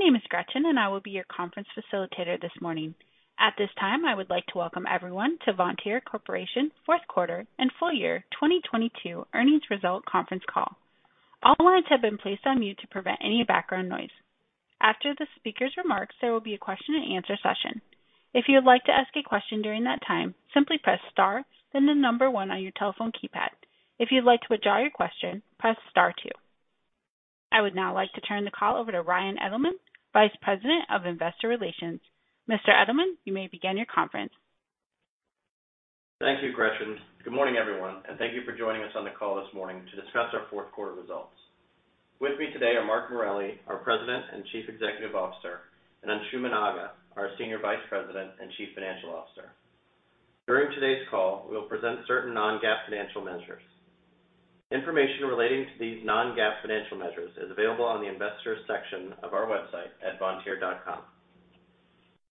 My name is Gretchen. I will be your conference facilitator this morning. At this time, I would like to welcome everyone to Vontier Corporation Q4 and full year 2022 earnings result conference call. All lines have been placed on mute to prevent any background noise. After the speaker's remarks, there will be a question and answer session. If you would like to ask a question during that time, simply press star, then the number one on your telephone keypad. If you'd like to withdraw your question, press star two. I would now like to turn the call over to Ryan Edelman, Vice President of Investor Relations. Mr. Edelman, you may begin your conference. Thank you, Gretchen. Good morning, everyone, and thank you for joining us on the call this morning to discuss our Q4 results. With me today are Mark Morelli, our President and Chief Executive Officer, and Anshuman Aga, our Senior Vice President and Chief Financial Officer. During today's call, we will present certain non-GAAP financial measures. Information relating to these non-GAAP financial measures is available on the Investors section of our website at vontier.com.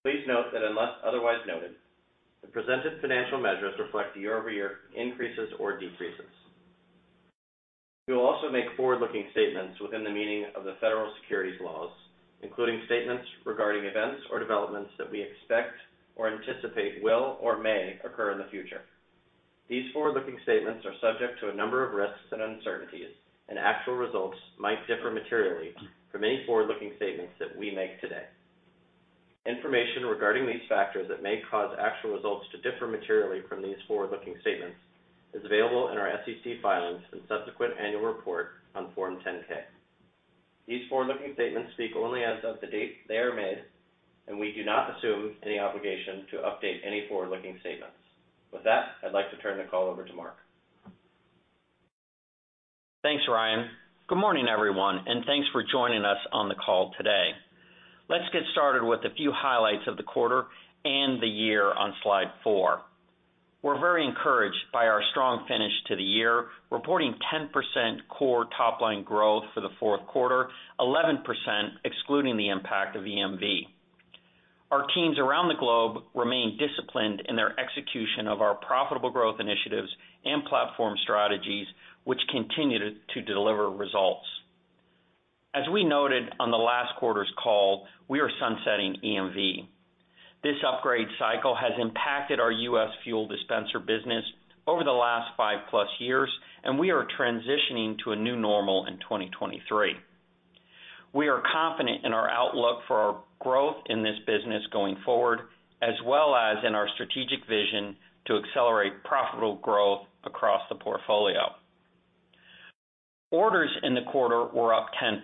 Please note that unless otherwise noted, the presented financial measures reflect year-over-year increases or decreases. We will also make forward-looking statements within the meaning of the federal securities laws, including statements regarding events or developments that we expect or anticipate will or may occur in the future. These forward-looking statements are subject to a number of risks and uncertainties, and actual results might differ materially from any forward-looking statements that we make today. Information regarding these factors that may cause actual results to differ materially from these forward-looking statements is available in our SEC filings and subsequent annual report on Form 10-K. These forward-looking statements speak only as of the date they are made. We do not assume any obligation to update any forward-looking statements. With that, I'd like to turn the call over to Mark. Thanks, Ryan. Thanks for joining us on the call today. Let's get started with a few highlights of the quarter and the year on slide four. We're very encouraged by our strong finish to the year, reporting 10% core top line growth for the Q4, 11% excluding the impact of EMV. Our teams around the globe remain disciplined in their execution of our profitable growth initiatives and platform strategies, which continue to deliver results. As we noted on the last quarter's call, we are sunsetting EMV. This upgrade cycle has impacted our U.S. fuel dispenser business over the last five-plus years, and we are transitioning to a new normal in 2023. We are confident in our outlook for our growth in this business going forward, as well as in our strategic vision to accelerate profitable growth across the portfolio. Orders in the quarter were up 10%.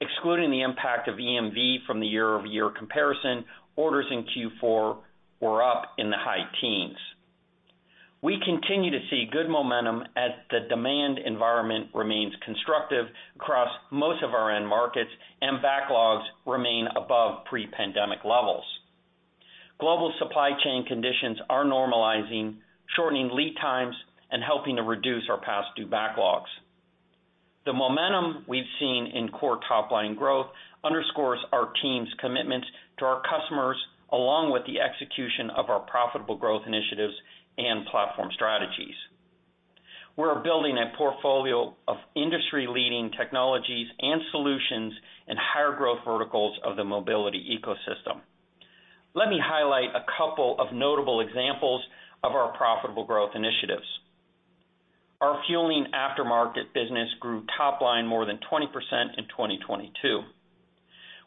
Excluding the impact of EMV from the year-over-year comparison, orders in Q4 were up in the high teens. We continue to see good momentum as the demand environment remains constructive across most of our end markets and backlogs remain above pre-pandemic levels. Global supply chain conditions are normalizing, shortening lead times and helping to reduce our past due backlogs. The momentum we've seen in core top line growth underscores our team's commitment to our customers, along with the execution of our profitable growth initiatives and platform strategies. We are building a portfolio of industry-leading technologies and solutions in higher growth verticals of the mobility ecosystem. Let me highlight a couple of notable examples of our profitable growth initiatives. Our fueling aftermarket business grew top line more than 20% in 2022.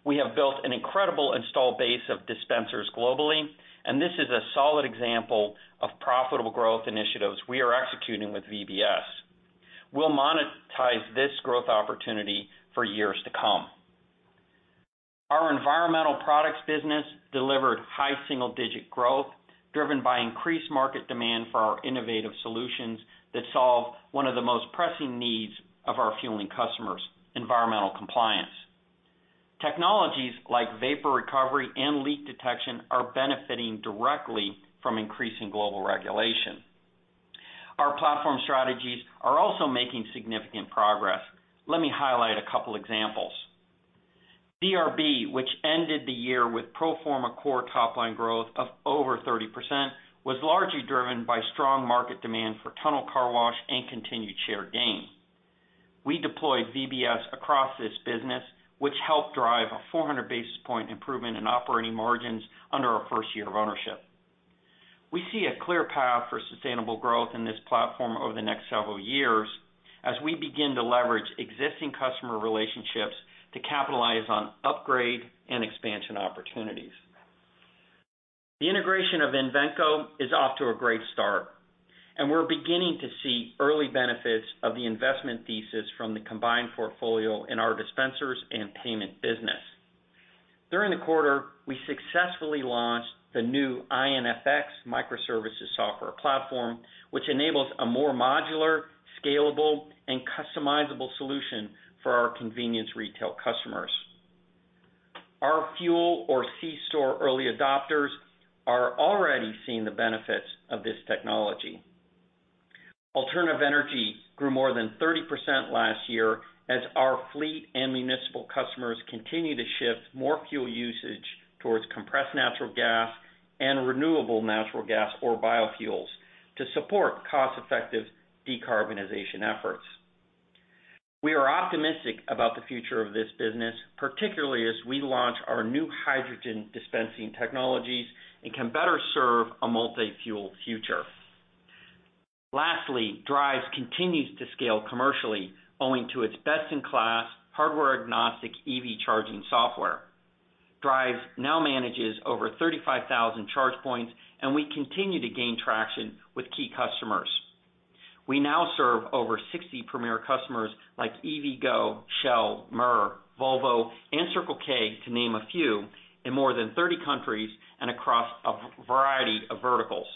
We have built an incredible install base of dispensers globally, and this is a solid example of profitable growth initiatives we are executing with VBS. We'll monetize this growth opportunity for years to come. Our environmental products business delivered high single-digit growth, driven by increased market demand for our innovative solutions that solve one of the most pressing needs of our fueling customers, environmental compliance. Technologies like vapor recovery and leak detection are benefiting directly from increasing global regulation. Our platform strategies are also making significant progress. Let me highlight a couple examples. DRB, which ended the year with pro forma core top line growth of over 30%, was largely driven by strong market demand for tunnel car wash and continued share gain. We deployed VBS across this business, which helped drive a 400 basis point improvement in operating margins under our first year of ownership. We see a clear path for sustainable growth in this platform over the next several years as we begin to leverage existing customer relationships to capitalize on upgrade and expansion opportunities. The integration of Invenco is off to a great start, and we're beginning to see early benefits of the investment thesis from the combined portfolio in our dispensers and payment business. During the quarter, we successfully launched the new iNFX microservices software platform, which enables a more modular, scalable, and customizable solution for our convenience retail customers. Our fuel or C-store early adopters are already seeing the benefits of this technology. Alternative energy grew more than 30% last year as our fleet and municipal customers continue to shift more fuel usage towards compressed natural gas and renewable natural gas or biofuels to support cost-effective decarbonization efforts. We are optimistic about the future of this business, particularly as we launch our new hydrogen dispensing technologies and can better serve a multi-fuel future. Driivz continues to scale commercially owing to its best-in-class hardware agnostic EV charging software. Driivz now manages over 35,000 charge points, and we continue to gain traction with key customers. We now serve over 60 premier customers like EVgo, Shell, Mer, Volvo, and Circle K, to name a few, in more than 30 countries and across a variety of verticals.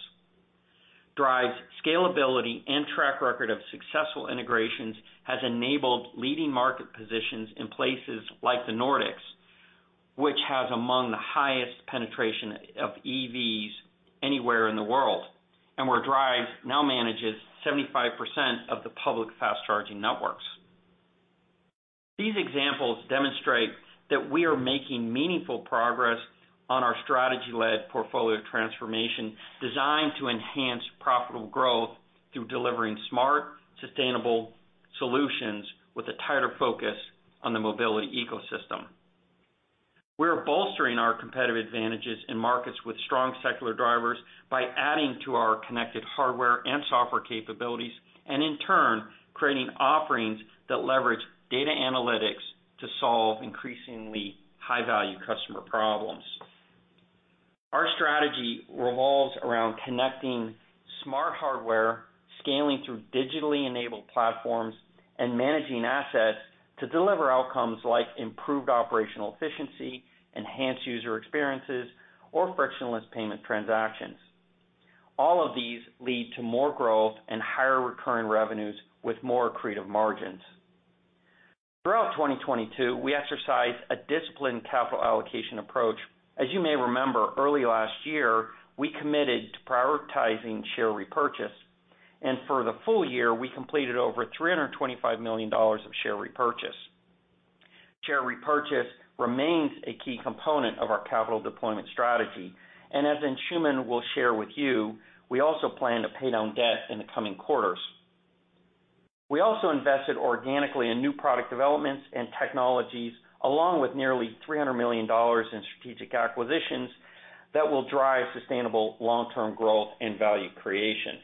Driivz' scalability and track record of successful integrations has enabled leading market positions in places like the Nordics, which has among the highest penetration of EVs anywhere in the world, and where Driivz now manages 75% of the public fast charging networks. These examples demonstrate that we are making meaningful progress on our strategy-led portfolio transformation designed to enhance profitable growth through delivering smart, sustainable solutions with a tighter focus on the mobility ecosystem. We're bolstering our competitive advantages in markets with strong secular drivers by adding to our connected hardware and software capabilities, and in turn, creating offerings that leverage data analytics to solve increasingly high-value customer problems. Our strategy revolves around connecting smart hardware, scaling through digitally enabled platforms, and managing assets to deliver outcomes like improved operational efficiency, enhanced user experiences, or frictionless payment transactions. All of these lead to more growth and higher recurring revenues with more accretive margins. Throughout 2022, we exercised a disciplined capital allocation approach. As you may remember, early last year, we committed to prioritizing share repurchase. For the full year, we completed over $325 million of share repurchase. Share repurchase remains a key component of our capital deployment strategy, and as Anshuman will share with you, we also plan to pay down debt in the coming quarters. We also invested organically in new product developments and technologies, along with nearly $300 million in strategic acquisitions that will drive sustainable long-term growth and value creation.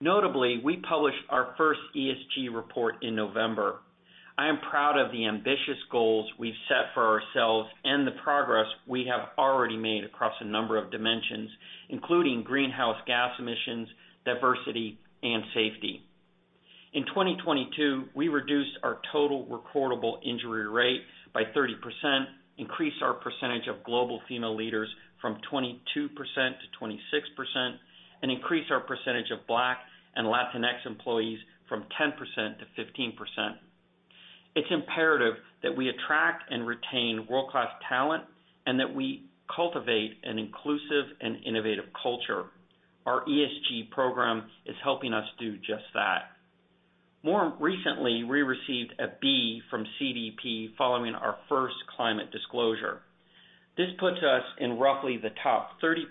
Notably, we published our first ESG report in November. I am proud of the ambitious goals we've set for ourselves and the progress we have already made across a number of dimensions, including greenhouse gas emissions, diversity, and safety. In 2022, we reduced our total recordable injury rate by 30%, increased our percentage of global female leaders from 22% to 26%, and increased our percentage of Black and Latinx employees from 10% to 15%. It's imperative that we attract and retain world-class talent, and that we cultivate an inclusive and innovative culture. Our ESG program is helping us do just that. More recently, we received a B from CDP following our first climate disclosure. This puts us in roughly the top 30%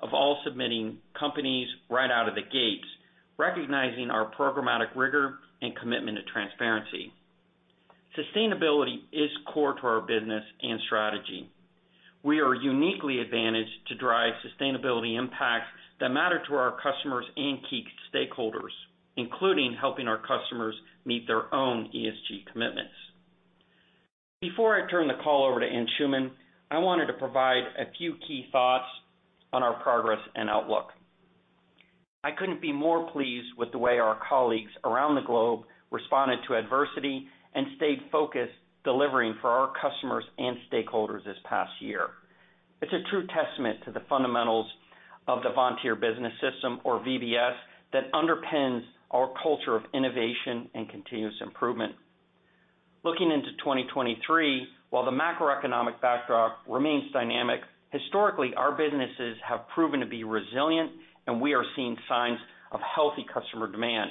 of all submitting companies right out of the gates, recognizing our programmatic rigor and commitment to transparency. Sustainability is core to our business and strategy. We are uniquely advantaged to drive sustainability impacts that matter to our customers and key stakeholders, including helping our customers meet their own ESG commitments. Before I turn the call over to Anshuman, I wanted to provide a few key thoughts on our progress and outlook. I couldn't be more pleased with the way our colleagues around the globe responded to adversity and stayed focused delivering for our customers and stakeholders this past year. It's a true testament to the fundamentals of the Vontier Business System, or VBS, that underpins our culture of innovation and continuous improvement. Looking into 2023, while the macroeconomic backdrop remains dynamic, historically, our businesses have proven to be resilient, and we are seeing signs of healthy customer demand.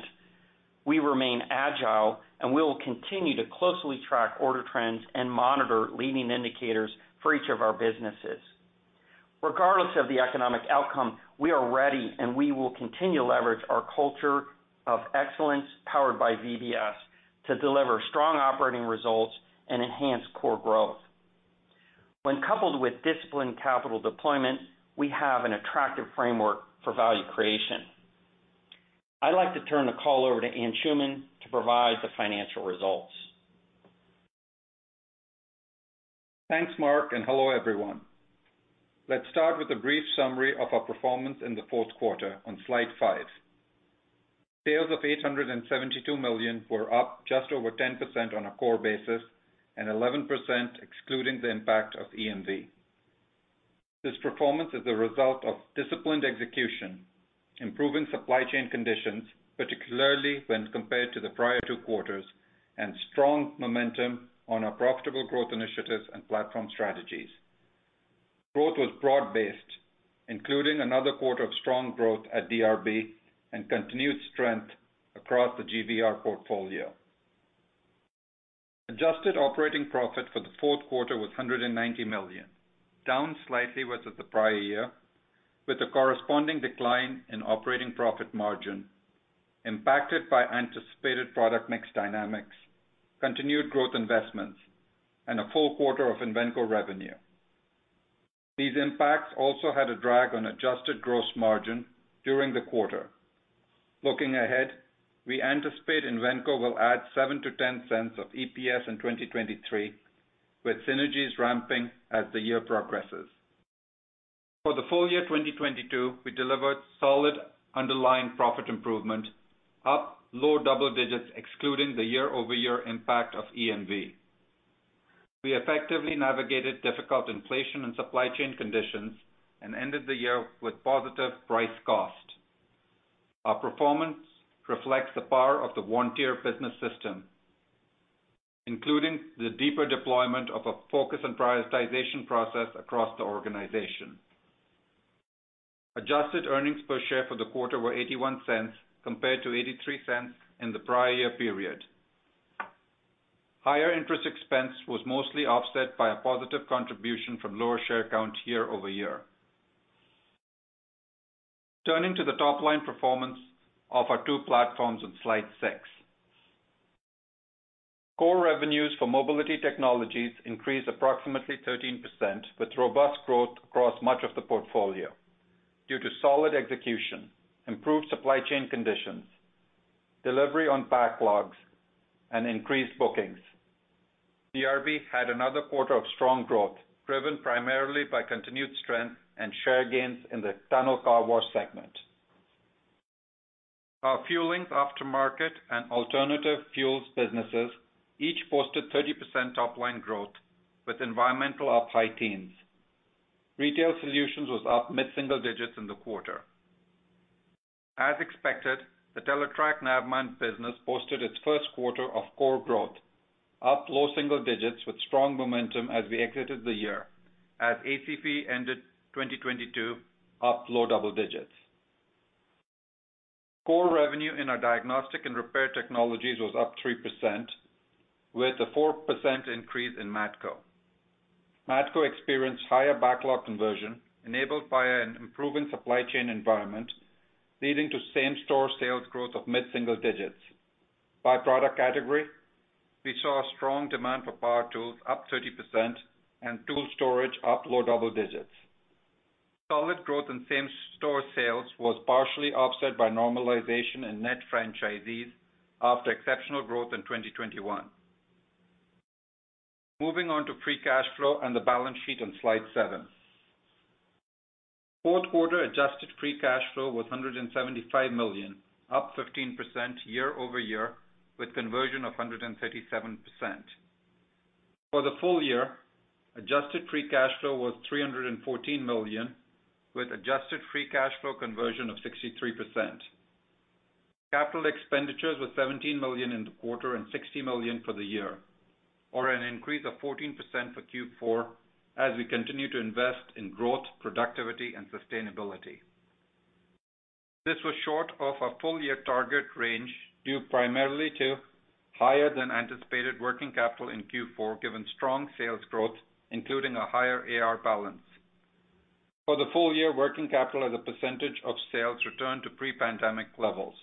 We remain agile, and we will continue to closely track order trends and monitor leading indicators for each of our businesses. Regardless of the economic outcome, we are ready, and we will continue to leverage our culture of excellence powered by VBS to deliver strong operating results and enhance core growth. When coupled with disciplined capital deployment, we have an attractive framework for value creation. I'd like to turn the call over to Anshuman to provide the financial results. Thanks, Mark. Hello, everyone. Let's start with a brief summary of our performance in the Q4 on slide five. Sales of $872 million were up just over 10% on a core basis and 11% excluding the impact of EMV. This performance is a result of disciplined execution, improving supply chain conditions, particularly when compared to the prior two quarters, and strong momentum on our profitable growth initiatives and platform strategies. Growth was broad-based, including another quarter of strong growth at DRB and continued strength across the GVR portfolio. Adjusted operating profit for the Q4 was $190 million, down slightly versus the prior year, with a corresponding decline in operating profit margin impacted by anticipated product mix dynamics, continued growth investments, and a full quarter of Invenco revenue. These impacts also had a drag on adjusted gross margin during the quarter. Looking ahead, we anticipate Invenco will add $0.07-$0.10 of EPS in 2023, with synergies ramping as the year progresses. For the full year 2022, we delivered solid underlying profit improvement, up low double digits excluding the year-over-year impact of EMV. We effectively navigated difficult inflation and supply chain conditions and ended the year with positive price cost. Our performance reflects the power of the Vontier Business System, including the deeper deployment of a focus and prioritization process across the organization. Adjusted earnings per share for the quarter were $0.81 compared to $0.83 in the prior year period. Higher interest expense was mostly offset by a positive contribution from lower share count year-over-year. Turning to the top line performance of our two platforms on slide six. Core revenues for mobility technologies increased approximately 13% with robust growth across much of the portfolio due to solid execution, improved supply chain conditions, delivery on backlogs and increased bookings. DRB had another quarter of strong growth driven primarily by continued strength and share gains in the tunnel car wash segment. Our fueling aftermarket and alternative fuels businesses each posted 30% top line growth with environmental up high teens. Retail solutions was up mid-single digits in the quarter. As expected, the Teletrac Navman business posted its first quarter of core growth, up low single digits with strong momentum as we exited the year, as ACP ended 2022 up low double digits. Core revenue in our diagnostic and repair technologies was up 3% with a 4% increase in Matco. Matco Tools experienced higher backlog conversion enabled by an improving supply chain environment, leading to same-store sales growth of mid-single digits. By product category, we saw a strong demand for power tools up 30% and tool storage up low double digits. Solid growth in same-store sales was partially offset by normalization in net franchisees after exceptional growth in 2021. Moving on to free cash flow and the balance sheet on slide seven. Q4 adjusted free cash flow was $175 million, up 15% year-over-year, with conversion of 137%. For the full year, adjusted free cash flow was $314 million, with adjusted free cash flow conversion of 63%. Capital expenditures were $17 million in the quarter and $60 million for the year, or an increase of 14% for Q4 as we continue to invest in growth, productivity and sustainability. This was short of our full year target range, due primarily to higher than anticipated working capital in Q4, given strong sales growth, including a higher AR balance. For the full year, working capital as a percentage of sales returned to pre-pandemic levels.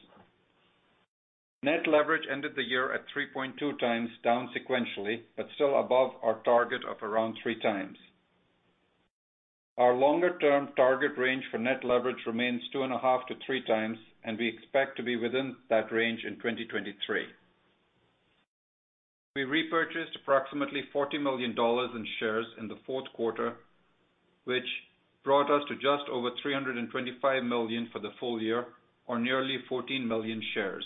Net leverage ended the year at 3.2x, down sequentially, but still above our target of around 3 times. Our longer-term target range for net leverage remains 2.5x-3x, and we expect to be within that range in 2023. We repurchased approximately $40 million in shares in the Q4, which brought us to just over $325 million for the full year, or nearly 14 million shares.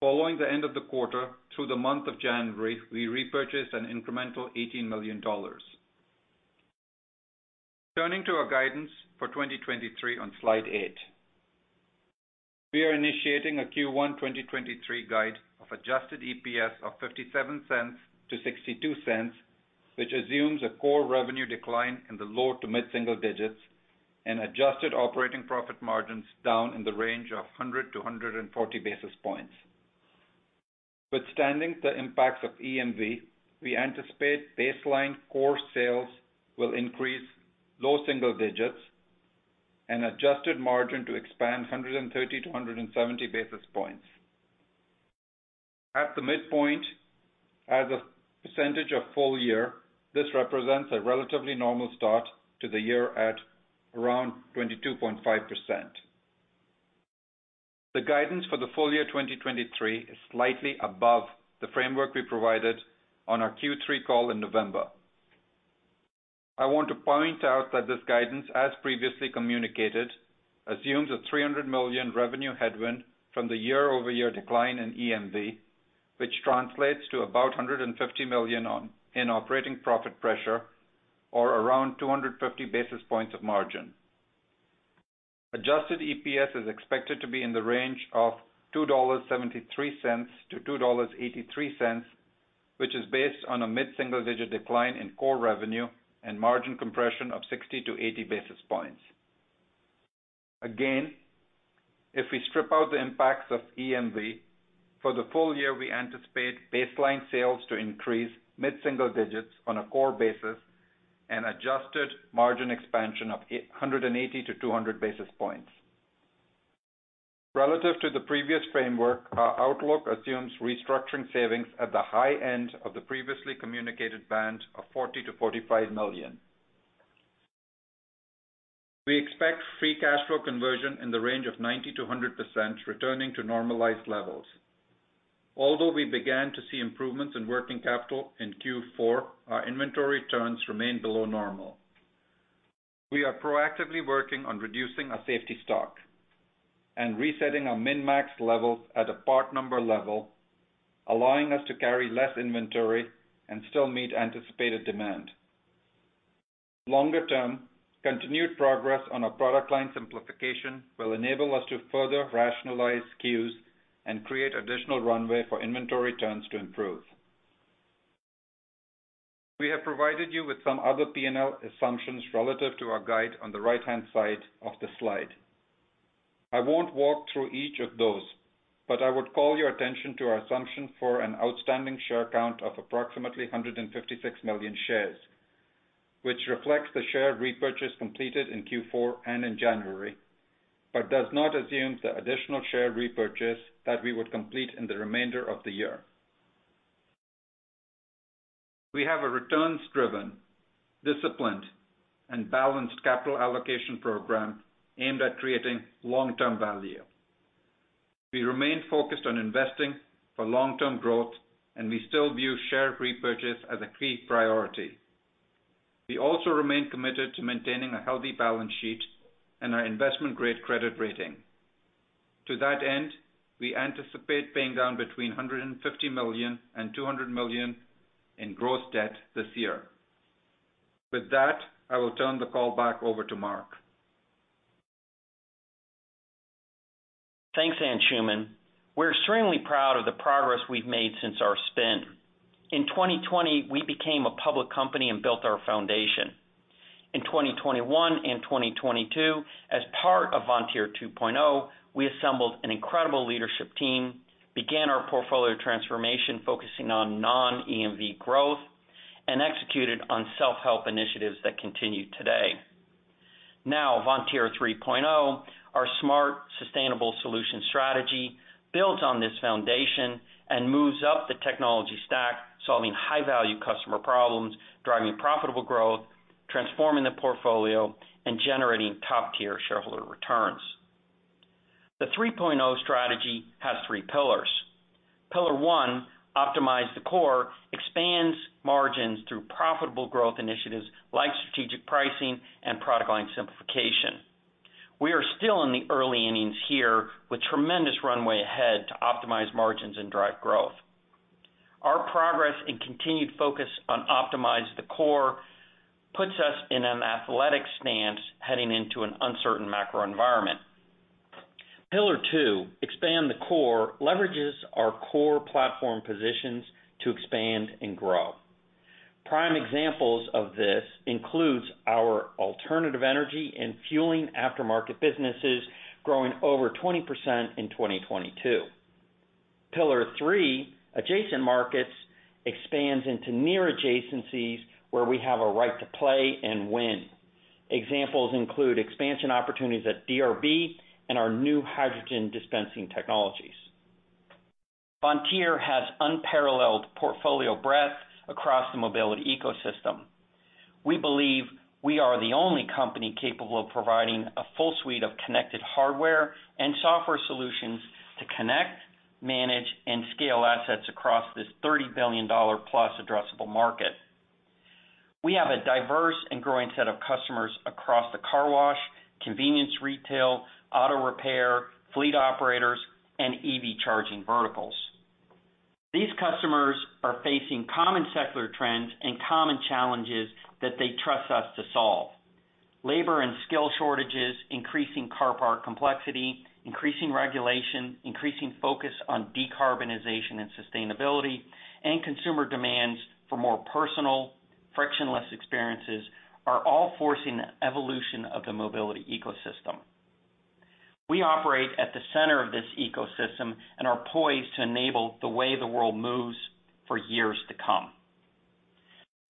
Following the end of the quarter through the month of January, we repurchased an incremental $18 million. Turning to our guidance for 2023 on slide 8. We are initiating a Q1 2023 guide of adjusted EPS of $0.57-$0.62, which assumes a core revenue decline in the low to mid-single digits and adjusted operating profit margins down in the range of 100-140 basis points. Withstanding the impacts of EMV, we anticipate baseline core sales will increase low single digits and adjusted margin to expand 130-170 basis points. At the midpoint, as a percentage of full year, this represents a relatively normal start to the year at around 22.5%. The guidance for the full year 2023 is slightly above the framework we provided on our Q3 call in November. I want to point out that this guidance, as previously communicated, assumes a $300 million revenue headwind from the year-over-year decline in EMV, which translates to about $150 million in operating profit pressure or around 250 basis points of margin. Adjusted EPS is expected to be in the range of $2.73-$2.83, which is based on a mid-single-digit decline in core revenue and margin compression of 60 to 80 basis points. If we strip out the impacts of EMV, for the full year, we anticipate baseline sales to increase mid-single digits on a core basis and adjusted margin expansion of 180 to 200 basis points. Relative to the previous framework, our outlook assumes restructuring savings at the high end of the previously communicated band of $40 million-$45 million. We expect free cash flow conversion in the range of 90%-100% returning to normalized levels. Although we began to see improvements in working capital in Q4, our inventory turns remain below normal. We are proactively working on reducing our safety stock and resetting our min-max levels at a part number level, allowing us to carry less inventory and still meet anticipated demand. Longer term, continued progress on our product line simplification will enable us to further rationalize SKUs and create additional runway for inventory turns to improve. We have provided you with some other P&L assumptions relative to our guide on the right-hand side of the slide. I won't walk through each of those, but I would call your attention to our assumption for an outstanding share count of approximately 156 million shares, which reflects the share repurchase completed in Q4 and in January, but does not assume the additional share repurchase that we would complete in the remainder of the year. We have a returns-driven, disciplined, and balanced capital allocation program aimed at creating long-term value. We remain focused on investing for long-term growth, and we still view share repurchase as a key priority. We also remain committed to maintaining a healthy balance sheet and our investment-grade credit rating. To that end, we anticipate paying down between $150 million and $200 million in gross debt this year. With that, I will turn the call back over to Mark. Thanks, Anshuman. We're extremely proud of the progress we've made since our spin. In 2020, we became a public company and built our foundation. In 2021 and 2022, as part of Vontier 2.0, we assembled an incredible leadership team, began our portfolio transformation, focusing on non-EMV growth, and executed on self-help initiatives that continue today. Vontier 3.0, our smart, sustainable solution strategy builds on this foundation and moves up the technology stack, solving high-value customer problems, driving profitable growth, transforming the portfolio, and generating top-tier shareholder returns. The 3.0 strategy has three pillars. Pillar 1, optimize the core, expands margins through profitable growth initiatives like strategic pricing and product line simplification. We are still in the early innings here with tremendous runway ahead to optimize margins and drive growth. Our progress and continued focus on optimize the core puts us in an athletic stance heading into an uncertain macro environment. Pillar two, expand the core, leverages our core platform positions to expand and grow. Prime examples of this includes our alternative energy and fueling aftermarket businesses growing over 20% in 2022. Pillar three, adjacent markets, expands into near adjacencies where we have a right to play and win. Examples include expansion opportunities at DRB and our new hydrogen dispensing technologies. Vontier has unparalleled portfolio breadth across the mobility ecosystem. We believe we are the only company capable of providing a full suite of connected hardware and software solutions to connect, manage, and scale assets across this $30 billion+ addressable market. We have a diverse and growing set of customers across the car wash, convenience retail, auto repair, fleet operators, and EV charging verticals. These customers are facing common secular trends and common challenges that they trust us to solve. Labor and skill shortages, increasing car part complexity, increasing regulation, increasing focus on decarbonization and sustainability, and consumer demands for more personal, frictionless experiences are all forcing the evolution of the mobility ecosystem. We operate at the center of this ecosystem and are poised to enable the way the world moves for years to come.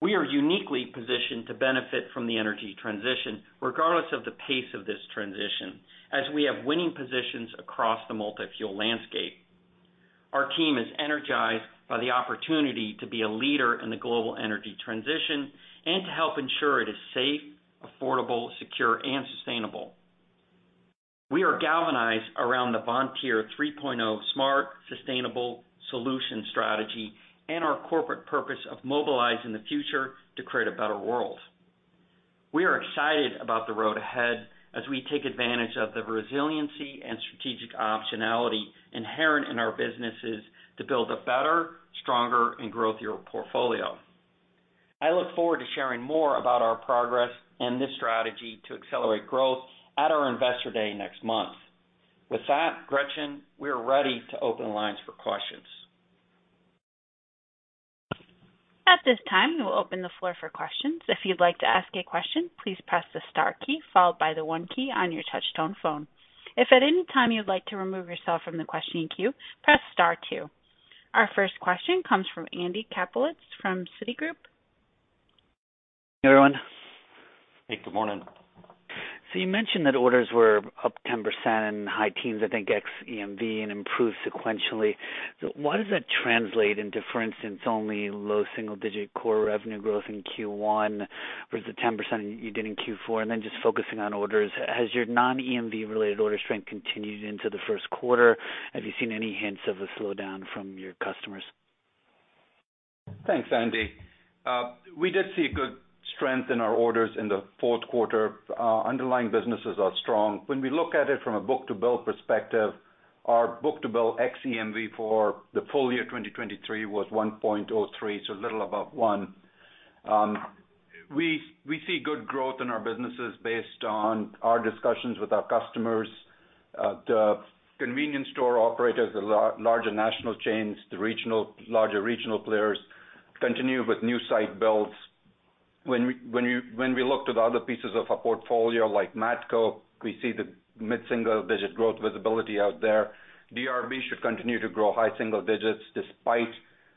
We are uniquely positioned to benefit from the energy transition regardless of the pace of this transition, as we have winning positions across the multi-fuel landscape. Our team is energized by the opportunity to be a leader in the global energy transition and to help ensure it is safe, affordable, secure, and sustainable. We are galvanized around the Vontier 3.0 smart, sustainable solution strategy and our corporate purpose of mobilizing the future to create a better world. We are excited about the road ahead as we take advantage of the resiliency and strategic optionality inherent in our businesses to build a better, stronger, and growthier portfolio. I look forward to sharing more about our progress and this strategy to accelerate growth at our Investor Day next month. Gretchen, we are ready to open lines for questions. At this time, we'll open the floor for questions. If you'd like to ask a question, please press the star key followed by the one key on your touchtone phone. If at any time you'd like to remove yourself from the questioning queue, press star two. Our first question comes from Andy Kaplowitz from Citigroup. Everyone. Hey, good morning. You mentioned that orders were up 10% in high teens, I think ex EMV and improved sequentially. Why does that translate into, for instance, only low single digit core revenue growth in Q1 versus the 10% you did in Q4? Just focusing on orders, has your non-EMV related order strength continued into the first quarter? Have you seen any hints of a slowdown from your customers? Thanks, Andy. We did see good strength in our orders in the Q4. Underlying businesses are strong. When we look at it from a book-to-bill perspective, our book-to-bill ex EMV for the full year 2023 was 1.03, so a little above one. We see good growth in our businesses based on our discussions with our customers. The convenience store operators, the larger national chains, the larger regional players continue with new site builds. When we look to the other pieces of our portfolio like Matco, we see the mid-single digit growth visibility out there. DRB should continue to grow high single digits despite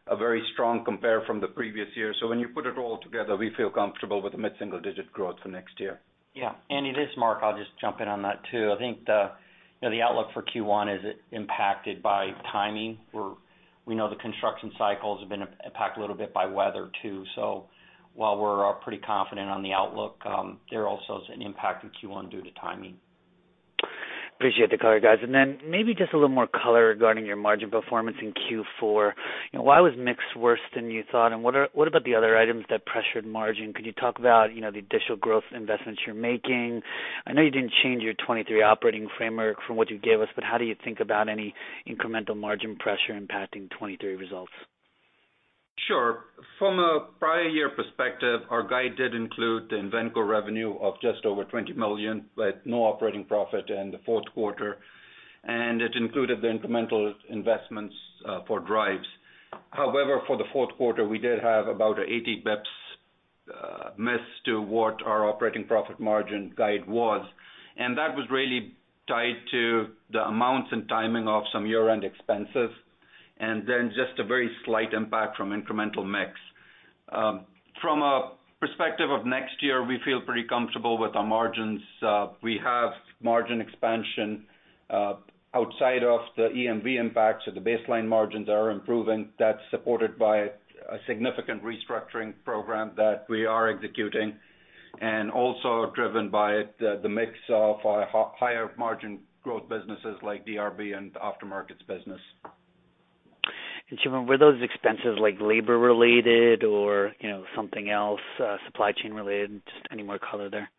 a very strong compare from the previous year. When you put it all together, we feel comfortable with the mid-single digit growth for next year. Yeah. Andy, this is Mark. I'll just jump in on that too. I think the, you know, the outlook for Q1 is impacted by timing, or we know the construction cycles have been impacted a little bit by weather too. While we're pretty confident on the outlook, there also is an impact in Q1 due to timing. Appreciate the color, guys. Then maybe just a little more color regarding your margin performance in Q4. You know, why was mix worse than you thought? What about the other items that pressured margin? Could you talk about, you know, the additional growth investments you're making? I know you didn't change your 23 operating framework from what you gave us, how do you think about any incremental margin pressure impacting 23 results? Sure. From a prior year perspective, our guide did include the inaudible revenue of just over $20 million, but no operating profit in the Q4, and it included the incremental investments for Driivz. For the Q4, we did have about 80 basis points miss to what our operating profit margin guide was, and that was really tied to the amounts and timing of some year-end expenses, and then just a very slight impact from incremental mix. From a perspective of next year, we feel pretty comfortable with our margins. We have margin expansion outside of the EMV impact, so the baseline margins are improving. That's supported by a significant restructuring program that we are executing and also driven by the mix of higher margin growth businesses like DRB and aftermarket business. Shimon, were those expenses like labor related or, you know, something else, supply chain related? Just any more color there.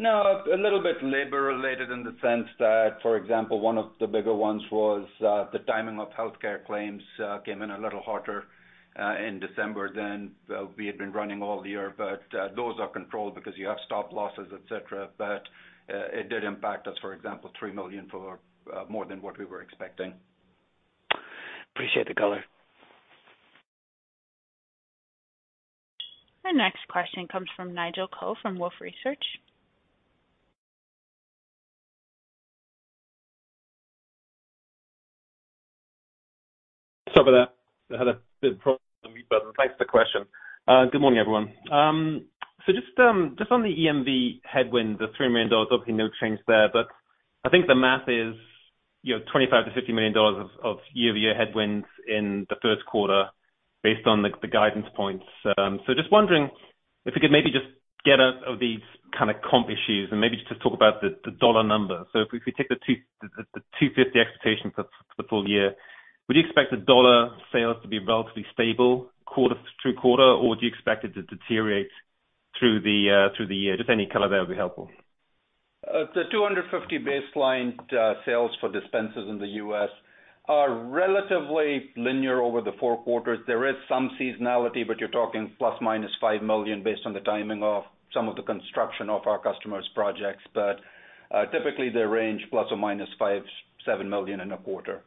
A little bit labor related in the sense that, for example, one of the bigger ones was, the timing of healthcare claims, came in a little hotter, in December than, we had been running all year. Those are controlled because you have stop losses, et cetera. It did impact us, for example, $3 million for, more than what we were expecting. Appreciate the color. Our next question comes from Nigel Coe from Wolfe Research. Sorry for that. I had a bit of problem with the mute button. Thanks for the question. Good morning, everyone. Just on the EMV headwind, the $3 million, obviously no change there, but I think the math is, you know, $25 million-$50 million of year-over-year headwinds in the first quarter based on the guidance points. Just wondering if we could maybe just get out of these kind of comp issues and maybe just talk about the dollar number. If we take the $250 million expectation for the full year, would you expect the dollar sales to be relatively stable quarter through quarter, or do you expect it to deteriorate through the year? Just any color there would be helpful. The 250 baseline sales for dispensers in the U.S. are relatively linear over the four quarters. There is some seasonality. You're talking ±$5 million based on the timing of some of the construction of our customers' projects. Typically, they range ±$5 million-$7 million in a quarter.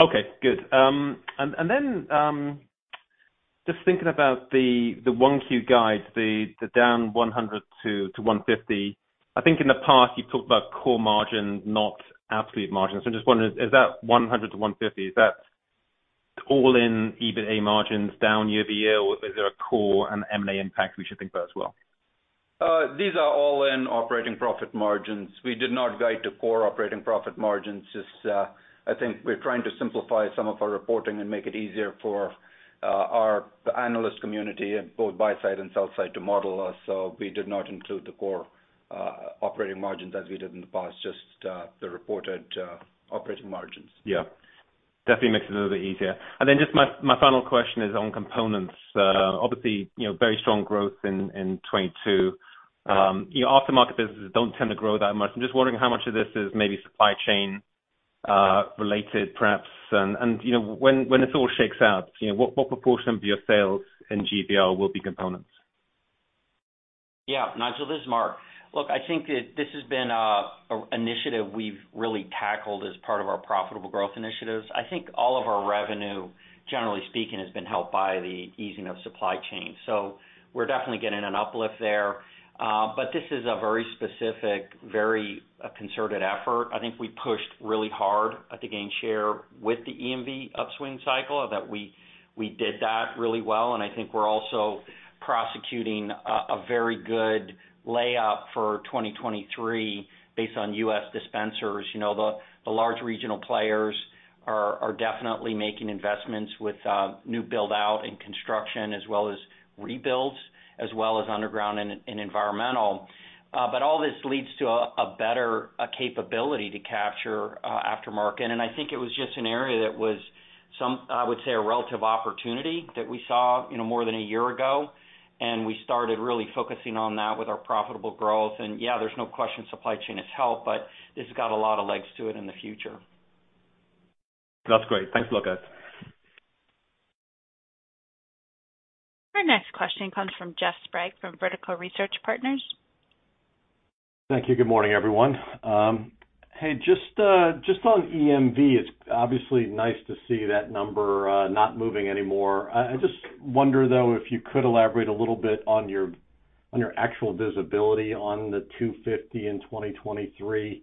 Okay, good. Just thinking about 1 Q guide, down 100-150. I think in the past you've talked about core margin, not absolute margins. I'm just wondering, is that 100-150, is that all in EBITDA margins down year-over-year? Or is there a core and M&A impact we should think about as well? These are all in operating profit margins. We did not guide to core operating profit margins. Just, I think we're trying to simplify some of our reporting and make it easier for our analyst community, both buy side and sell side, to model us. We did not include the core operating margins as we did in the past, just the reported operating margins. Yeah, definitely makes it a little bit easier. Then just my final question is on components. Obviously, you know, very strong growth in 2022. You know, aftermarket businesses don't tend to grow that much. I'm just wondering how much of this is maybe supply chain related perhaps. When, when this all shakes out, you know, what proportion of your sales in GVR will be components? Yeah, Nigel, this is Mark. Look, I think that this has been a initiative we've really tackled as part of our profitable growth initiatives. I think all of our revenue, generally speaking, has been helped by the easing of supply chain. We're definitely getting an uplift there. This is a very specific, very concerted effort. I think we pushed really hard to gain share with the EMV upswing cycle, that we did that really well. I think we're also prosecuting a very good layup for 2023 based on U.S. dispensers. You know, the large regional players are definitely making investments with new build out and construction as well as rebuilds, as well as underground and environmental. All this leads to a better, a capability to capture aftermarket. I think it was just an area that was I would say, a relative opportunity that we saw, you know, more than a year ago, and we started really focusing on that with our profitable growth. Yeah, there's no question supply chain has helped, but this has got a lot of legs to it in the future. That's great. Thanks a lot, guys. Our next question comes from Jeff Sprague from Vertical Research Partners. Thank you. Good morning, everyone. Hey, just on EMV, it's obviously nice to see that number, not moving anymore. I just wonder, though, if you could elaborate a little bit on your, on your actual visibility on the 250 in 2023.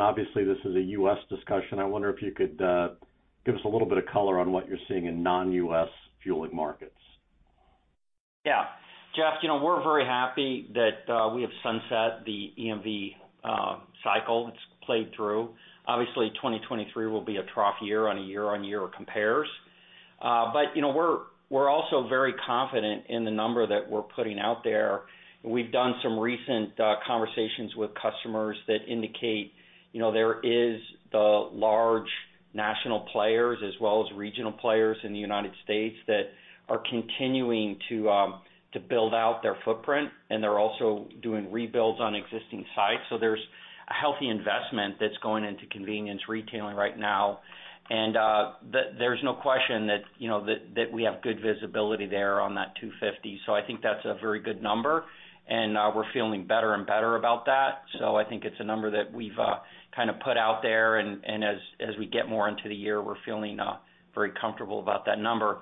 Obviously, this is a US discussion. I wonder if you could give us a little bit of color on what you're seeing in non-US fueling markets. Yeah. Jeff, you know, we're very happy that we have sunset the EMV cycle. It's played through. Obviously, 2023 will be a trough year on a year-on-year compares. You know, we're also very confident in the number that we're putting out there. We've done some recent conversations with customers that indicate, you know, there is the large national players as well as regional players in the United States that are continuing to build out their footprint, and they're also doing rebuilds on existing sites. There's a healthy investment that's going into convenience retailing right now. There's no question that, you know, that we have good visibility there on that 250. I think that's a very good number, and we're feeling better and better about that. I think it's a number that we've kind of put out there. As we get more into the year, we're feeling very comfortable about that number.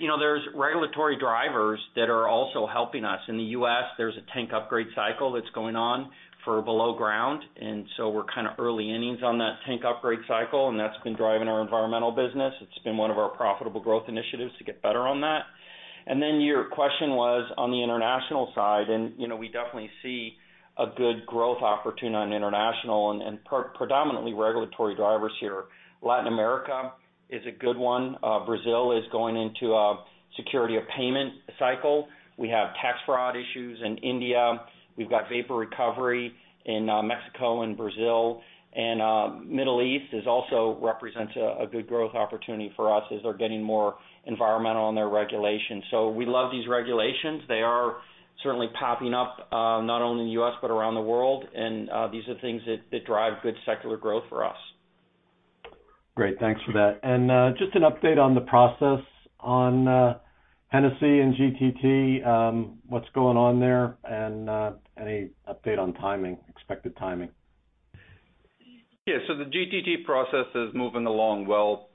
You know, there's regulatory drivers that are also helping us. In the U.S., there's a tank upgrade cycle that's going on for below ground, so we're kinda early innings on that tank upgrade cycle, and that's been driving our environmental business. It's been one of our profitable growth initiatives to get better on that. Your question was on the international side, and, you know, we definitely see a good growth opportunity on international and predominantly regulatory drivers here. Latin America is a good one. Brazil is going into a security of payment cycle. We have tax fraud issues in India. We've got vapor recovery in Mexico and Brazil. Middle East is also represents a good growth opportunity for us as they're getting more environmental in their regulations. We love these regulations. They are certainly popping up not only in the U.S., but around the world. These are things that drive good secular growth for us. Great. Thanks for that. Just an update on the process on, Hennessy and GTT, what's going on there? Any update on timing, expected timing? Yeah. The GTT process is moving along well.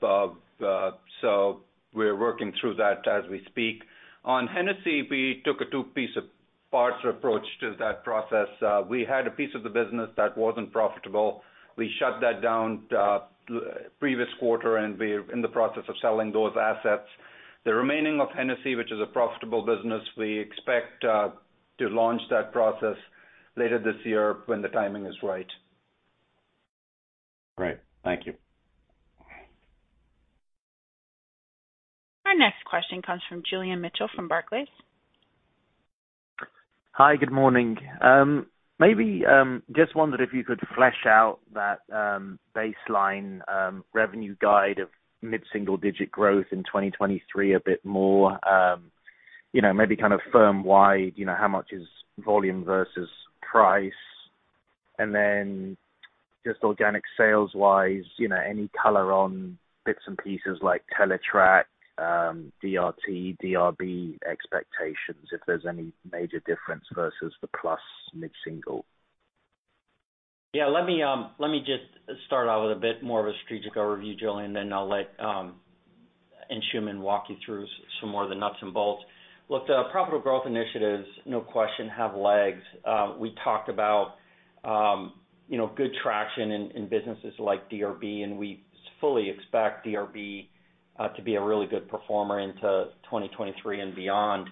We're working through that as we speak. On Hennessy, we took a two piece of parts approach to that process. We had a piece of the business that wasn't profitable. We shut that down, previous quarter, and we're in the process of selling those assets. The remaining of Hennessy, which is a profitable business, we expect, to launch that process later this year when the timing is right. Great. Thank you. Our next question comes from Julian Mitchell from Barclays. Hi. Good morning. maybe, just wondered if you could flesh out that baseline revenue guide of mid-single digit growth in 2023 a bit more, you know, maybe kind of firm wide, you know, how much is volume versus price. And then just organic sales-wise, you know, any color on bits and pieces like Teletrac, DRT, DRB expectations, if there's any major difference versus the + mid-single. Yeah. Let me let me just start out with a bit more of a strategic overview, Julian, then I'll let Anshuman walk you through some more of the nuts and bolts. Look, the profitable growth initiatives, no question, have legs. We talked about, you know, good traction in businesses like DRB, and we fully expect DRB to be a really good performer into 2023 and beyond.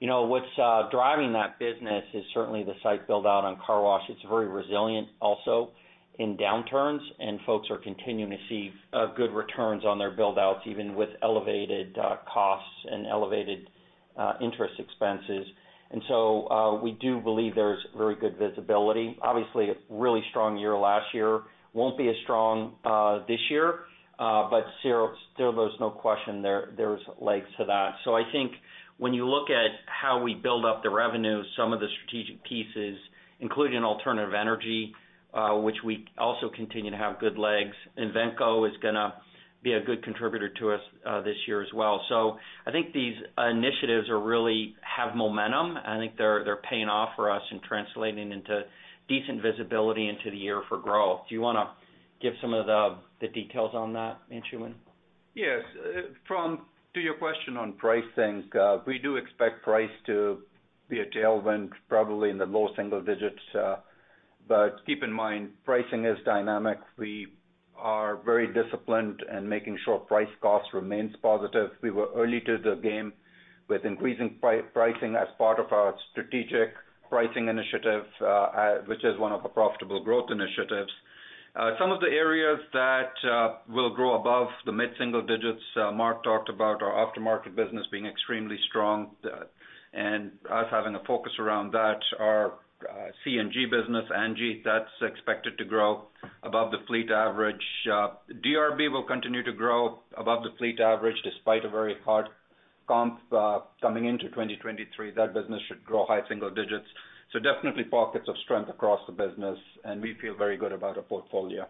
You know, what's driving that business is certainly the site build-out on car wash. It's very resilient also in downturns, and folks are continuing to see good returns on their build-outs, even with elevated costs and elevated interest expenses. We do believe there's very good visibility. Obviously, a really strong year last year. Won't be as strong, this year. Still there's no question there's legs to that. I think when you look at how we build up the revenue, some of the strategic pieces, including alternative energy, which we also continue to have good legs. Invenco is gonna be a good contributor to us, this year as well. I think these initiatives are really have momentum. I think they're paying off for us and translating into decent visibility into the year for growth. Do you wanna give some of the details on that, Anshuman? Yes. to your question on pricing, we do expect price to be a tailwind probably in the low single digits. Keep in mind, pricing is dynamic. We are very disciplined in making sure price cost remains positive. We were early to the game with increasing pricing as part of our strategic pricing initiative, which is one of the profitable growth initiatives. Some of the areas that will grow above the mid-single digits, Mark talked about our aftermarket business being extremely strong, and us having a focus around that. Our CNG business, that's expected to grow above the fleet average. DRB will continue to grow above the fleet average despite a very hard comp, coming into 2023. That business should grow high single digits. Definitely pockets of strength across the business, and we feel very good about our portfolio.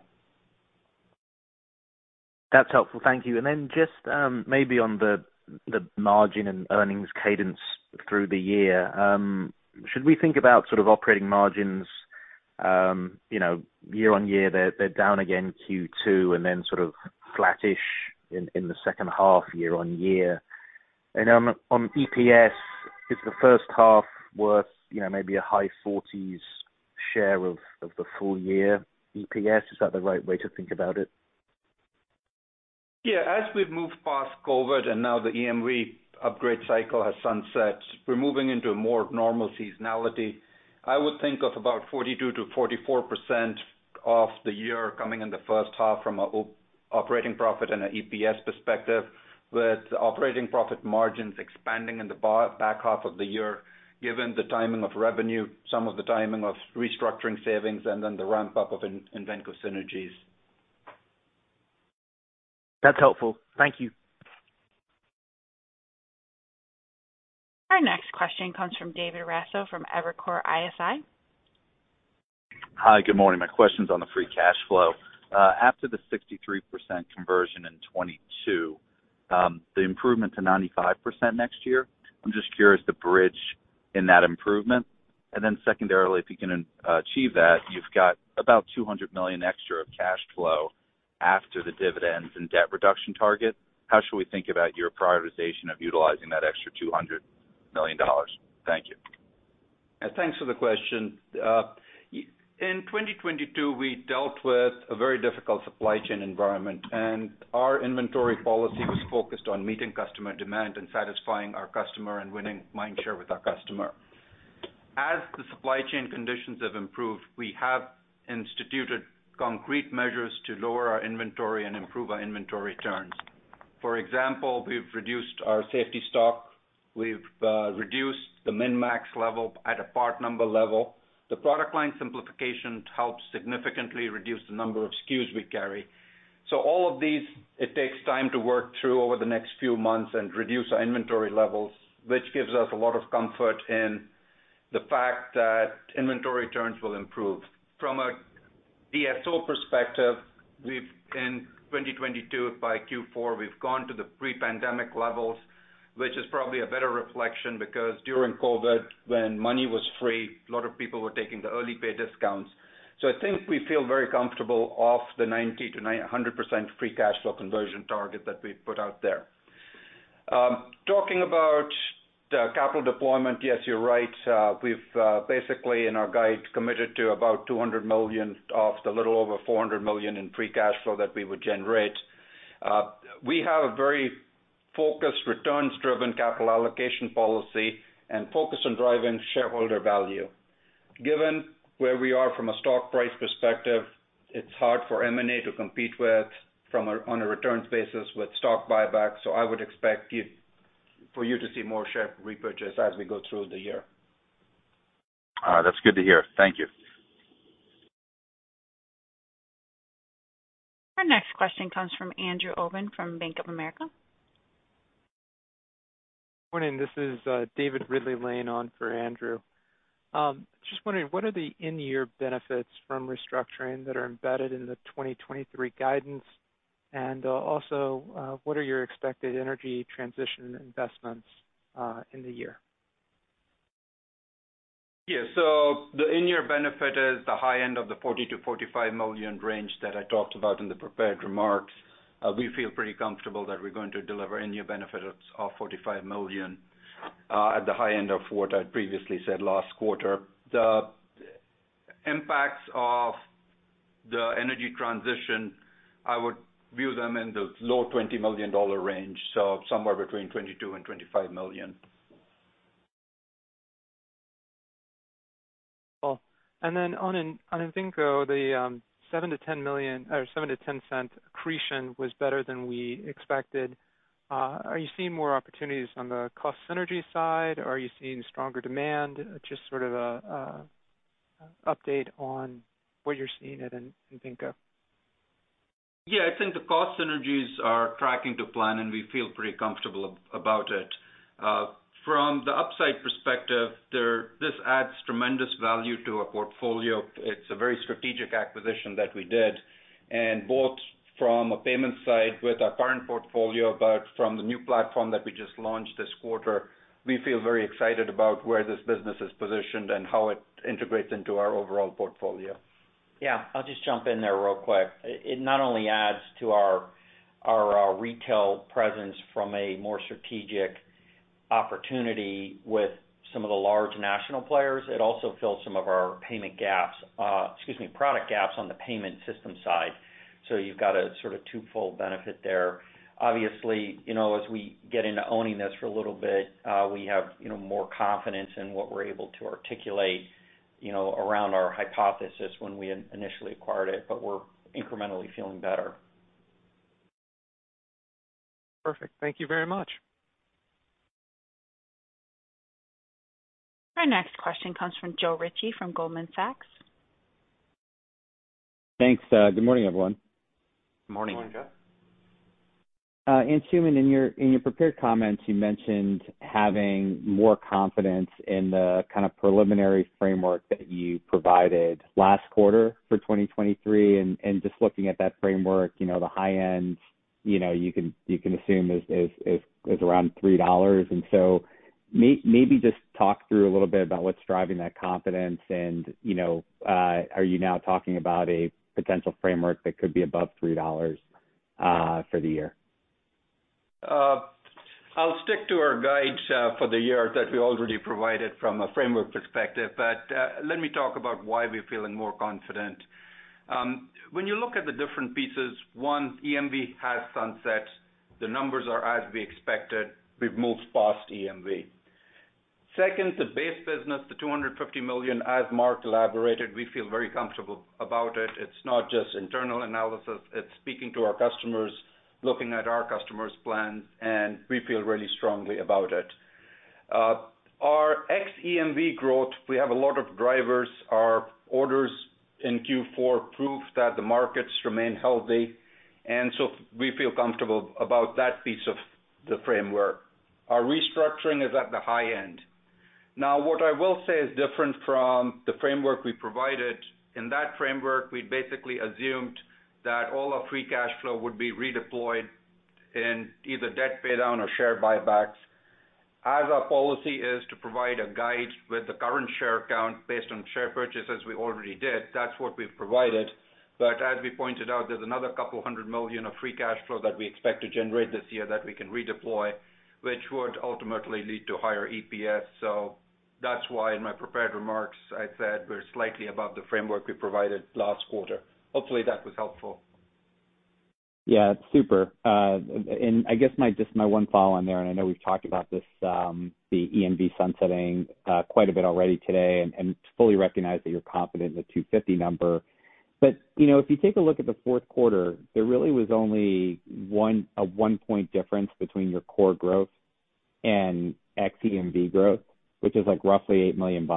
That's helpful. Thank you. Then just, maybe on the margin and earnings cadence through the year, should we think about sort of operating margins, you know, year-on-year, they're down again Q2 and then sort of flattish in the second half year-on-year? On EPS, is the first half worth, you know, maybe a high 40s share of the full year EPS? Is that the right way to think about it? Yeah. As we've moved past COVID, and now the EMV upgrade cycle has sunset, we're moving into a more normal seasonality. I would think of about 42%-44% of the year coming in the first half from a operating profit and an EPS perspective, with operating profit margins expanding in the back half of the year, given the timing of revenue, some of the timing of restructuring savings, and then the ramp-up of Invenco synergies. That's helpful. Thank you. Our next question comes from David Raso from Evercore ISI. Hi. Good morning. My question's on the free cash flow. After the 63% conversion in 2022, the improvement to 95% next year, I'm just curious the bridge in that improvement. Secondarily, if you can achieve that, you've got about $200 million extra of cash flow after the dividends and debt reduction target. How should we think about your prioritization of utilizing that extra $200 million? Thank you. Thanks for the question. In 2022, we dealt with a very difficult supply chain environment, our inventory policy was focused on meeting customer demand and satisfying our customer and winning mind share with our customer. As the supply chain conditions have improved, we have instituted concrete measures to lower our inventory and improve our inventory turns. For example, we've reduced our safety stock. We've reduced the min-max level at a part number level. The product line simplification helps significantly reduce the number of SKUs we carry. All of these, it takes time to work through over the next few months and reduce our inventory levels, which gives us a lot of comfort in the fact that inventory turns will improve. From a DSO perspective, we've in 2022, by Q4, we've gone to the pre-pandemic levels, which is probably a better reflection because during COVID, when money was free, a lot of people were taking the early pay discounts. I think we feel very comfortable off the 90%-100% free cash flow conversion target that we put out there. Talking about the capital deployment, yes, you're right. We've basically in our guide committed to about $200 million of the little over $400 million in free cash flow that we would generate. We have a very focused returns-driven capital allocation policy and focus on driving shareholder value. Given where we are from a stock price perspective, it's hard for M&A to compete on a returns basis with stock buyback. I would expect for you to see more share repurchase as we go through the year. All right. That's good to hear. Thank you. Our next question comes from Andrew Obin from Bank of America. Morning. This is, David Ridley-Lane laying on for Andrew. Just wondering, what are the in-year benefits from restructuring that are embedded in the 2023 guidance? Also, what are your expected energy transition investments, in the year? The in-year benefit is the high end of the $40 million-$45 million range that I talked about in the prepared remarks. We feel pretty comfortable that we're going to deliver in-year benefits of $45 million at the high end of what I previously said last quarter. The impacts of the energy transition, I would view them in the low $20 million range, so somewhere between $22 million and $25 million. Cool. On Invengo, the $7 million-$10 million or $0.07-$0.10 accretion was better than we expected. Are you seeing more opportunities on the cost synergy side? Are you seeing stronger demand? Update on what you're seeing at Invenco. Yeah. I think the cost synergies are tracking to plan, and we feel pretty comfortable about it. From the upside perspective, this adds tremendous value to our portfolio. It's a very strategic acquisition that we did. Both from a payment side with our current portfolio, but from the new platform that we just launched this quarter, we feel very excited about where this business is positioned and how it integrates into our overall portfolio. Yeah. I'll just jump in there real quick. It, it not only adds to our retail presence from a more strategic opportunity with some of the large national players, it also fills some of our payment gaps, excuse me, product gaps on the payment system side. You've got a sort of twofold benefit there. Obviously, you know, as we get into owning this for a little bit, we have, you know, more confidence in what we're able to articulate, you know, around our hypothesis when we initially acquired it, we're incrementally feeling better. Perfect. Thank you very much. Our next question comes from Joe Ritchie from Goldman Sachs. Thanks. Good morning, everyone. Morning. Morning, Joe. Anshuman, in your prepared comments, you mentioned having more confidence in the kind of preliminary framework that you provided last quarter for 2023. Just looking at that framework, you know, the high end, you know, you can assume is around $3. Maybe just talk through a little bit about what's driving that confidence. You know, are you now talking about a potential framework that could be above $3 for the year? I'll stick to our guide for the year that we already provided from a framework perspective. Let me talk about why we're feeling more confident. When you look at the different pieces, one, EMV has sunset. The numbers are as we expected. We've moved past EMV. Second, the base business, the $250 million, as Mark elaborated, we feel very comfortable about it. It's not just internal analysis, it's speaking to our customers, looking at our customers' plans, and we feel really strongly about it. Our ex-EMV growth, we have a lot of drivers. Our orders in Q4 prove that the markets remain healthy. We feel comfortable about that piece of the framework. Our restructuring is at the high end. What I will say is different from the framework we provided, in that framework, we basically assumed that all our free cash flow would be redeployed in either debt pay down or share buybacks. As our policy is to provide a guide with the current share count based on share purchases we already did, that's what we've provided. As we pointed out, there's another $couple hundred million of free cash flow that we expect to generate this year that we can redeploy, which would ultimately lead to higher EPS. That's why in my prepared remarks, I said we're slightly above the framework we provided last quarter. Hopefully that was helpful. Yeah. It's super. I guess my one follow on there, and I know we've talked about this, the EMV sunsetting, quite a bit already today and fully recognize that you're confident in the 250 number. You know, if you take a look at the Q4, there really was only a 1 point difference between your core growth and ex-EMV growth, which is like roughly $8 million.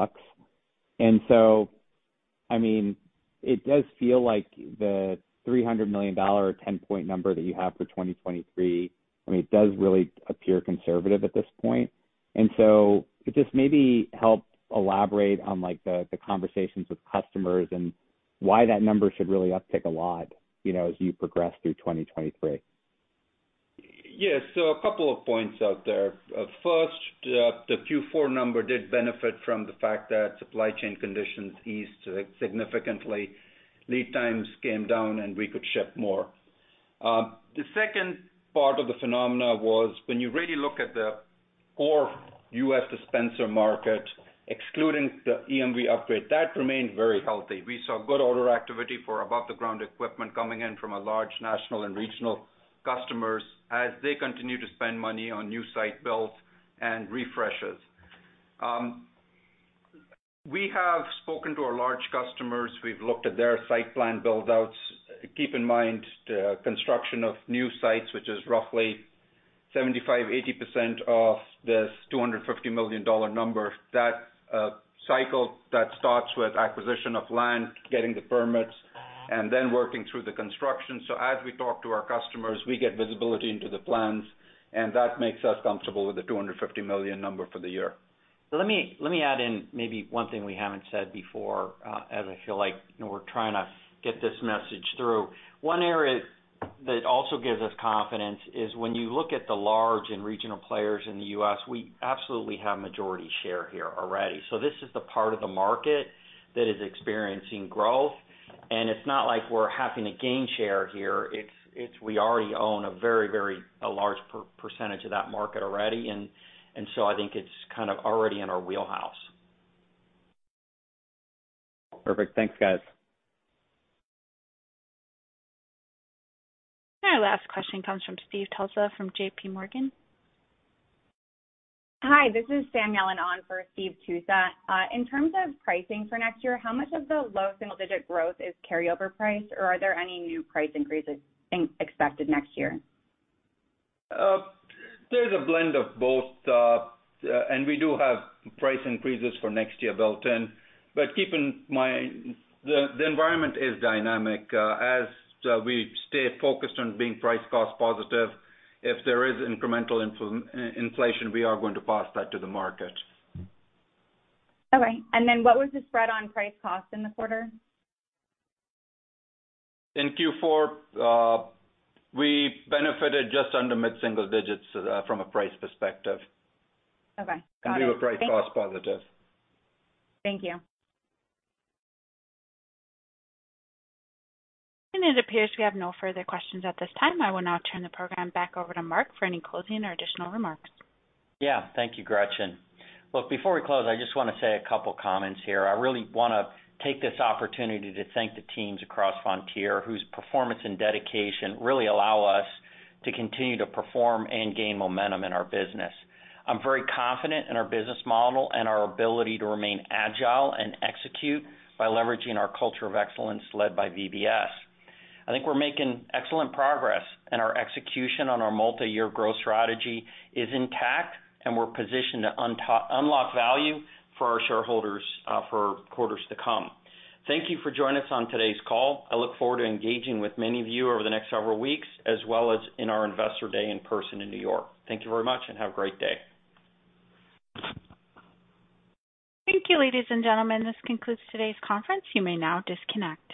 I mean, it does feel like the $300 million 10-point number that you have for 2023, I mean, it does really appear conservative at this point. Could just maybe help elaborate on like the conversations with customers and why that number should really uptick a lot, you know, as you progress through 2023. A couple of points out there. First, the Q4 number did benefit from the fact that supply chain conditions eased significantly. Lead times came down, and we could ship more. The second part of the phenomena was when you really look at the core U.S. dispenser market, excluding the EMV upgrade, that remained very healthy. We saw good order activity for above the ground equipment coming in from a large national and regional customers as they continue to spend money on new site builds and refreshes. We have spoken to our large customers. We've looked at their site plan build-outs. Keep in mind the construction of new sites, which is roughly 75%-80% of this $250 million number. That cycle that starts with acquisition of land, getting the permits, and then working through the construction. As we talk to our customers, we get visibility into the plans, and that makes us comfortable with the $250 million number for the year. Let me add in maybe one thing we haven't said before, as I feel like, you know, we're trying to get this message through. One area that also gives us confidence is when you look at the large and regional players in the U.S., we absolutely have majority share here already. This is the part of the market that is experiencing growth. It's not like we're having to gain share here. It's we already own a very large percentage of that market already. I think it's kind of already in our wheelhouse. Perfect. Thanks, guys. Our last question comes from Steve Tusa from JPMorgan. Hi, this is Sam Yilmaz on for Steve Tusa. In terms of pricing for next year, how much of the low single digit growth is carryover price, or are there any new price increases expected next year? There's a blend of both. We do have price increases for next year built in. Keep in mind, the environment is dynamic. As we stay focused on being price cost positive, if there is incremental inflation, we are going to pass that to the market. Okay. What was the spread on price cost in the quarter? In Q4, we benefited just under mid-single digits, from a price perspective. Okay. Got it. We were price cost positive. Thank you. It appears we have no further questions at this time. I will now turn the program back over to Mark for any closing or additional remarks. Yeah. Thank you, Gretchen. Look, before we close, I just wanna say a couple comments here. I really wanna take this opportunity to thank the teams across Vontier, whose performance and dedication really allow us to continue to perform and gain momentum in our business. I'm very confident in our business model and our ability to remain agile and execute by leveraging our culture of excellence led by VBS. I think we're making excellent progress, and our execution on our multi-year growth strategy is intact, and we're positioned to unlock value for our shareholders for quarters to come. Thank you for joining us on today's call. I look forward to engaging with many of you over the next several weeks, as well as in our Investor Day in person in New York. Thank you very much and have a great day. Thank you, ladies and gentlemen. This concludes today's conference. You may now disconnect.